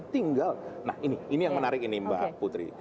tinggal nah ini yang menarik ini mbak putri